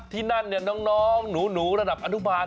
ที่นั่นน้องหนูระดับอนุบาล